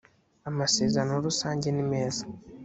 amasezerano rusange nimeza .